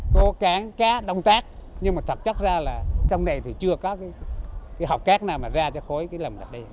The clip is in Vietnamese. cô cá đông tác nhưng mà thật chất ra là trong này thì chưa có cái học các nào mà ra cho khối cái lòng lạch đấy